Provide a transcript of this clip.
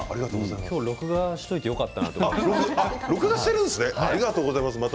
今日録画しておいてよかったなと思いました。